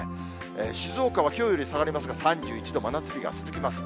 静岡はきょうより下がりますが、３１度、真夏日が続きます。